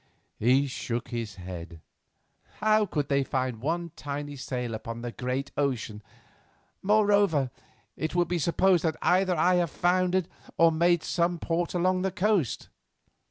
He shook his head. "How could they find one tiny sail upon the great ocean? Moreover, it will be supposed either that I have foundered or made some port along the coast.